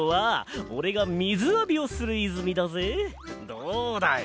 どうだい？